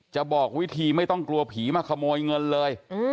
บอกวิธีไม่ต้องกลัวผีมาขโมยเงินเลย